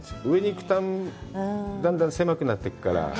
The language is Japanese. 上に行くとだんだんうまくなっていくから。